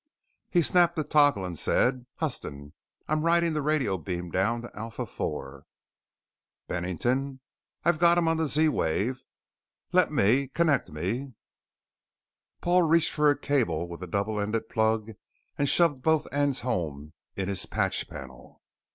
He snapped the toggle and said: "Huston? I'm riding the radio beam down to Alpha IV." "Bennington?" "I've got him on the Z wave!" "Let me connect me " Paul reached for a cable with a double ended plug and shoved both ends home in his patch panel.